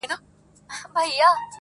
ستا خوږې خبري د سِتار سره سندري دي,